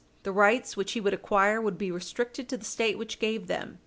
The rights which he would acquire would be restricted to the State which gave them.